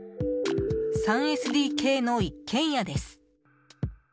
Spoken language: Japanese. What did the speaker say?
３ＳＤＫの一軒家です。